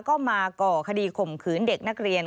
ก็มาก่อคดีข่มขืนเด็กนักเรียน